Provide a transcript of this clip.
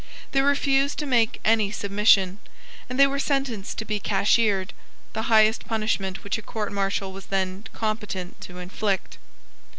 They refused to make any submission; and they were sentenced to be cashiered, the highest punishment which a court martial was then competent to inflict.